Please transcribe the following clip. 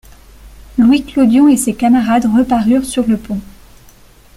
Louis Clodion et ses camarades reparurent sur le pont.